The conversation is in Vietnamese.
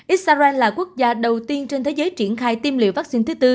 israel là quốc gia đầu tiên trên thế giới triển khai tiêm liệu vắc xin thứ tư